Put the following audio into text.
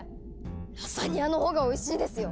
⁉ラザニアの方がおいしいですよ！